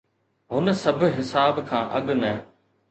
هن سڀ حساب کان اڳ نه.